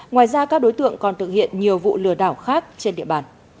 ngoài ra các đối tượng còn thực hiện nhiều vụ lừa đảo khác trên địa bàn